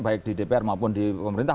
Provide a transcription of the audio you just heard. baik di dpr maupun di pemerintah